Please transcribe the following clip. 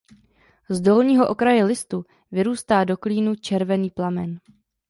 Z dolního okraje listu vyrůstá do klínu červený plamen.